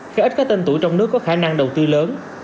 khi ít các tên tuổi trong nước có khả năng đầu tư lớn